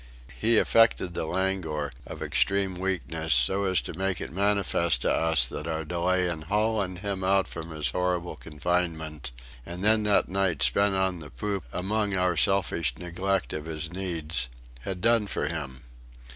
He affected the languor of extreme weakness, so as to make it manifest to us that our delay in hauling him out from his horrible confinement, and then that night spent on the poop among our selfish neglect of his needs, had "done for him."